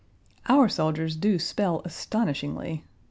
Our soldiers do spell astonishingly.